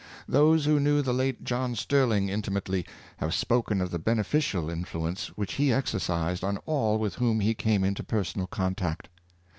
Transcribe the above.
Those who knew the late John Sterling intimately, have spoken of the beneficial influence which he exercised on all with whom he came into personal contact.